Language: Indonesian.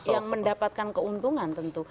yang mendapatkan keuntungan tentu